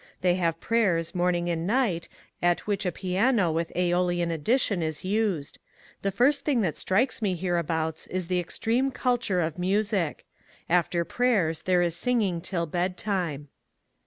They have prayers morning and night, at which a piano with »olian addition is used. The first thing that strikes me hereabouts is the extreme culture of music After prayers there is singing till bedtime.'